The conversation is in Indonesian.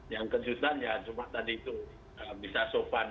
yang kejutan ya cuma tadi itu bisa sopan